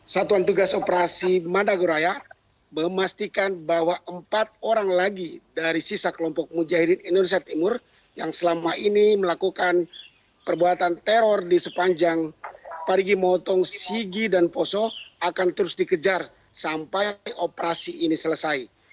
satuan tugas operasi madagoraya memastikan bahwa empat orang lagi dari sisa kelompok mujahidin indonesia timur yang selama ini melakukan perbuatan teror di sepanjang parigi motong sigi dan poso akan terus dikejar sampai operasi ini selesai